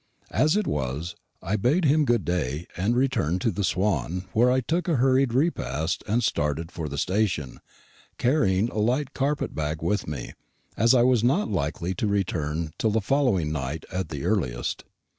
As it was, I bade him good day and returned to the Swan, where I took a hurried repast and started for the station, carrying a light carpet bag with me, as I was not likely to return till the following night, at the earliest.